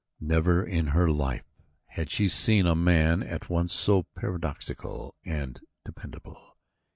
Never in her life had she seen a man at once so paradoxical and dependable.